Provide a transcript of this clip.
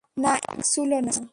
না, এক চুলও না!